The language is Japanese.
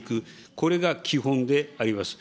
これが基本であります。